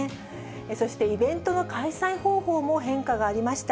そしてイベントの開催方法も変化がありました。